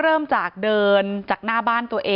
ที่มีข่าวเรื่องน้องหายตัว